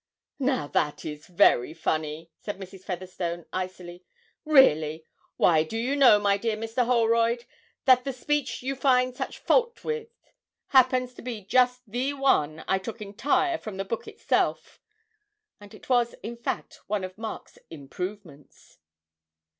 'Now that is very funny,' said Mrs. Featherstone, icily. 'Really. Why, do you know, my dear Mr. Holroyd, that the speech you find such fault with happens to be just the one I took entire from the book itself!' And it was in fact one of Mark's improvements.